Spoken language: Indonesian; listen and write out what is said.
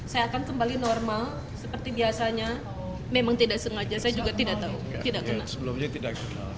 saya akan kembali normal seperti biasanya memang tidak sengaja saya juga tidak tahu tidak kena sebelumnya tidak